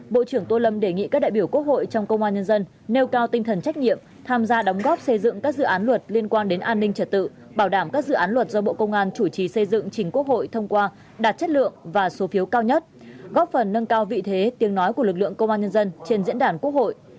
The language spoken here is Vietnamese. bộ trưởng tô lâm đề nghị các đại biểu quốc hội trong công an nhân dân nêu cao tinh thần trách nhiệm tham gia đóng góp xây dựng các dự án luật liên quan đến an ninh trật tự bảo đảm các dự án luật do bộ công an chủ trì xây dựng trình quốc hội thông qua đạt chất lượng và số phiếu cao nhất góp phần nâng cao vị thế tiếng nói của lực lượng công an nhân dân trên diễn đàn quốc hội